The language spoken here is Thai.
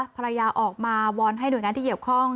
ภรรยาออกมาวอนให้หน่วยงานที่เกี่ยวข้อง